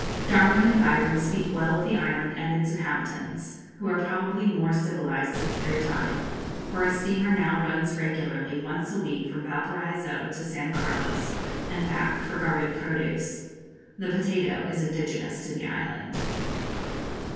Darwin and Byron speak well of the island and its inhabitants, who are probably more civilised since their time, for a steamer now runs regularly once a week from Valparaiso to San Carlos and back for garden produce. The potato is indigenous to the island.